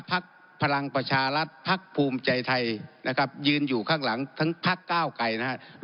พลังประชารัฐพักภูมิใจไทยนะครับยืนอยู่ข้างหลังทั้งพักก้าวไกรนะครับ